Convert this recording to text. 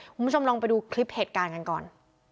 คุณผู้ชมลองไปดูคลิปเหตุการณ์กันก่อน